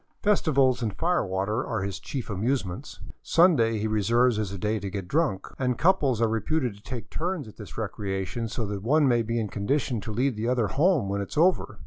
Festivals and fire water are his chief amusements. Sunday he reserves as a day to get drunk, and couples are reputed to take turns at this recreation, so that one may be in condition to lead the other home when it is ove;r.